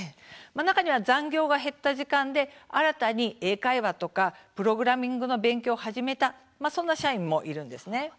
中には残業が減った時間で新たに英会話とかプログラミングの勉強を始めたそんな社員もいるんです。